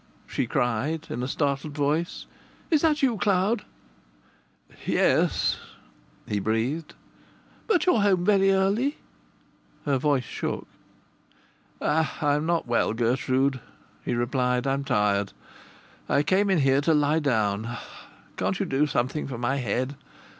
she cried, in a startled voice. "Is that you, Cloud?" "Yes," he breathed. "But you're home very early!" Her voice shook. "I'm not well, Gertrude," he replied. "I'm tired. I came in here to lie down. Can't you do something for my head?